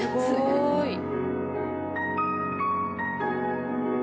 すごい。